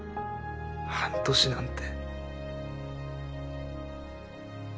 半年なんて。